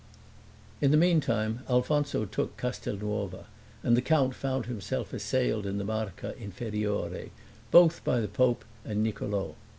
In the meantime, Alfonso took Castelnuova, and the count found himself assailed in the Marca Inferiore, both by the pope and Niccolo.